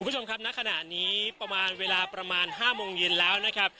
คุณผู้ชมครับณขณะนี้ประมาณเวลาประมาณ๕โมงเย็นแล้วนะครับ